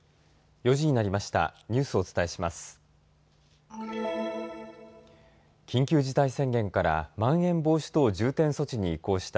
４時になりました。